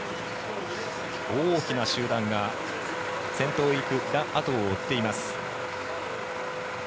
大きな集団が先頭を行くラ・アトウを追っています。